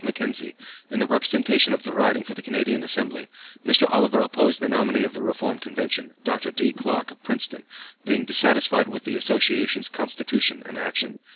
Mackenzie, in the representation of the riding for the Canadian Assembly, Mr. Oliver opposed the nominee of the Reform convention, Dr. D. Clarke, of Princeton, being dissatisfied with the Association's constitution and action.